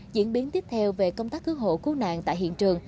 diễn biến tiếp theo về công tác cứu hộ cứu nạn tại hiện trường